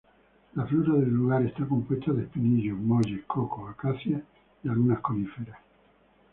La flora del lugar está compuesta de espinillos, molles, cocos, acacias y algunas coníferas.